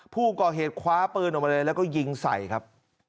ผู้ก่อเหตุคว้าปืนออกมาเลยแล้วก็ยิงใส่ครับ